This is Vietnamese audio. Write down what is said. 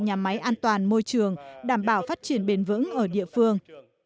nhà máy an toàn môi trường đảm bảo phát triển bền vững ở địa phương